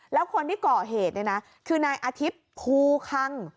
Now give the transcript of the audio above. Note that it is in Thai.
แล้วคนที่ก่อเหตุเนี่ยนะคือนายอาทิตย์ภูคัง